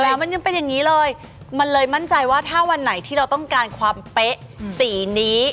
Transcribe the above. แล้วมันยังเป็นอย่างนี้เลยมันเลยมั่นใจว่าถ้าวันไหนที่เราต้องการความเป๊ะสีนี้